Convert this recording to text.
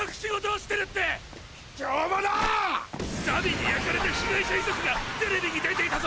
荼毘に焼かれた被害者遺族がテレビに出ていたぞ！